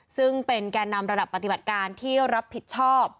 ซึ่งเป็นแก่นำระดับปฏิบัติการที่รับผิดชอบ